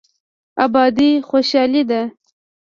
ابادي خوشحالي ده.